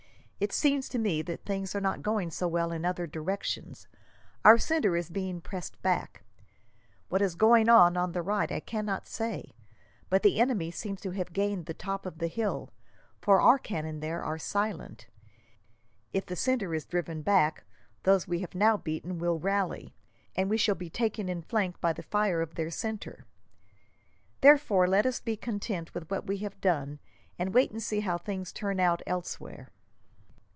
"It seems to me that things are not going so well in other directions. Our centre is being pressed back. What is going on on the right I cannot say, but the enemy seems to have gained the top of the hill, for our cannon there are silent. If the centre is driven back, those we have now beaten will rally, and we shall be taken in flank by the fire of their centre. Therefore, let us be content with what we have done, and wait and see how things turn out elsewhere."